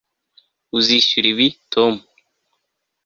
Uzishyura ibi Tom